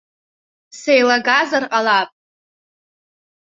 Сеилагазар ҟалап.